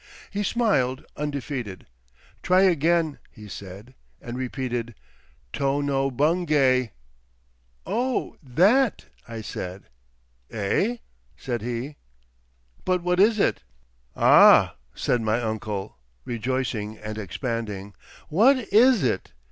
He smiled undefeated. "Try again," he said, and repeated, "Tono Bungay." "Oh, that!" I said. "Eh?" said he. "But what is it?" "Ah!" said my uncle, rejoicing and expanding. "What is it?